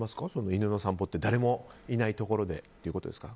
犬の散歩は誰もいないところでとか。